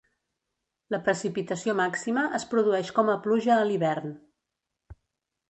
La precipitació màxima es produeix com a pluja a l'hivern.